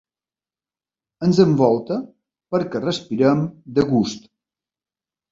Ens envolta perquè respirem de gust.